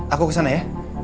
aku kesana ya